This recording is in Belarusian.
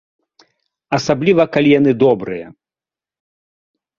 Асабліва, калі яны добрыя.